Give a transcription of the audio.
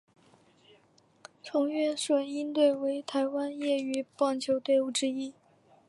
崇越隼鹰队为台湾业余棒球队伍之一。